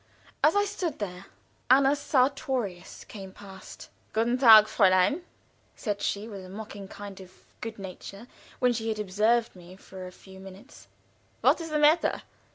As I stood there Anna Sartorius came past. "Guten Tag, Fräulein," said she, with a mocking kind of good nature when she had observed me for a few minutes. "What is the matter?